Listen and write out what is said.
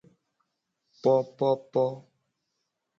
Popopo.